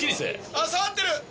あっ触ってる！